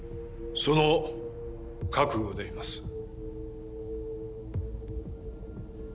その覚悟でいます。